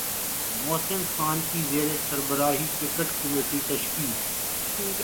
محسن خان کی زیر سربراہی کرکٹ کمیٹی تشکیل